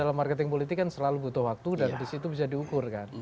marketing politik kan selalu butuh waktu dan di situ bisa diukur kan